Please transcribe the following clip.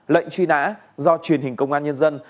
lệnh truy nã do truyền hình công an nhân dân